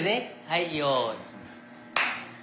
はいよい。